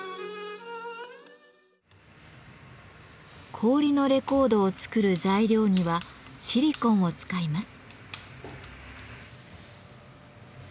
氷のレコードを作る材料にはシリコンを使います。